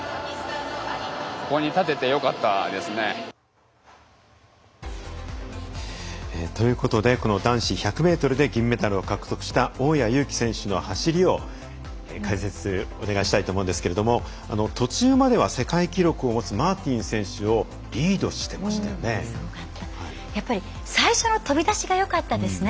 ここに立ててよかったですね。ということで男子１００ｍで銀メダルを獲得した大矢勇気選手の走りを解説お願いしたいと思うんですけど途中までは世界記録を持つマーティン選手をやっぱり最初の飛び出しがよかったですね。